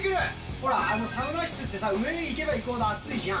ほら、サウナ室ってさ、上に行けば行くほど熱いじゃん。